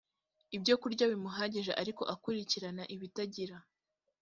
ibyokurya bimuhagije ariko ukurikirana ibitagira